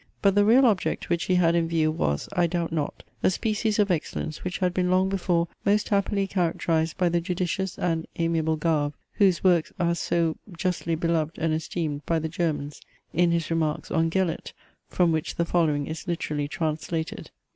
But the real object which he had in view, was, I doubt not, a species of excellence which had been long before most happily characterized by the judicious and amiable Garve, whose works are so justly beloved and esteemed by the Germans, in his remarks on Gellert, from which the following is literally translated.